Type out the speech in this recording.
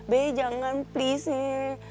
be jangan please